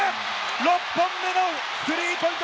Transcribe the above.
６本目のスリーポイント